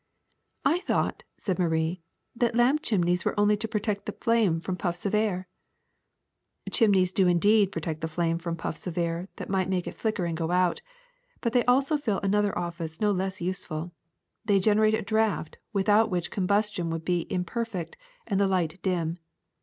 '' I thought," said Marie, '^that lamp chimneys were only to protect the flame from puffs of air. '''' Chimneys do indeed protect the flame from puffs of air that might make it flicker and go out, but they also fill another office no less useful: they generate a draft without which combustion would be imper fect and the light dim.